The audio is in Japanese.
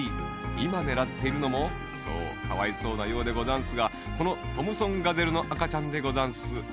いまねらってるのもそうかわいそうなようでござんすがこのトムソンガゼルのあかちゃんでござんす。